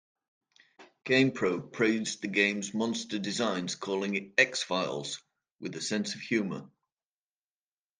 "GamePro" praised the game's monster designs, calling it ""X-Files" with a sense of humor.